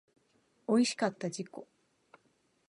おいしかった自己